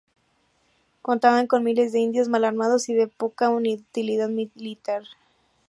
Contaban con miles de indios mal armados y de poca utilidad militar.